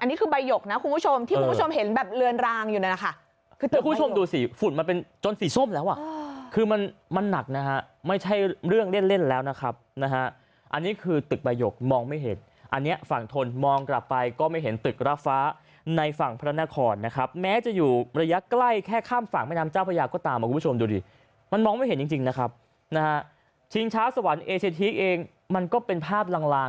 อันนี้คือใบหยกนะคุณผู้ชมที่คุณผู้ชมเห็นแบบเลือนรางอยู่นะค่ะคุณผู้ชมดูสิฝุ่นมันเป็นจนสีส้มแล้วอ่ะคือมันมันหนักนะฮะไม่ใช่เรื่องเล่นแล้วนะครับนะฮะอันนี้คือตึกใบหยกมองไม่เห็นอันนี้ฝั่งทนมองกลับไปก็ไม่เห็นตึกระฟ้าในฝั่งพระนครนะครับแม้จะอยู่ระยะใกล้แค่ข้ามฝั่งแม่น้ำเจ้าพ